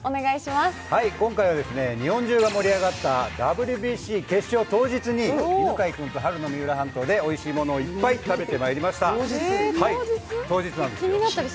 今回は日本中が盛り上がったＷＢＣ決勝当日に、犬飼君と春の三浦半島でおいしいものをたくさん食べてまいりました。